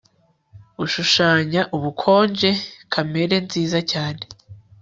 gushushanya ubukonje kamere nziza cyane